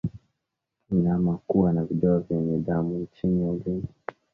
Mnyama kuwa na vidoa vyenye damu chini ya ulimi